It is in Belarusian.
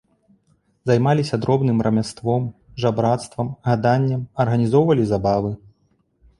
Займаліся дробным рамяством, жабрацтвам, гаданнем, арганізоўвалі забавы.